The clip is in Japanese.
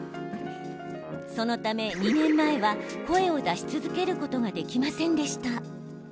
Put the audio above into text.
そのため２年前は声を出し続けることができませんでした。